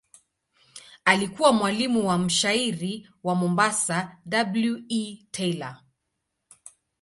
Alikuwa mwalimu wa mshairi wa Mombasa W. E. Taylor.